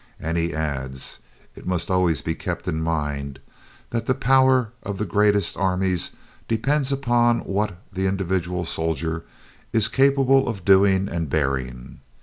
And he adds, "It must always be kept in mind that the power of the greatest armies depends upon what the individual soldier is capable of doing and bearing."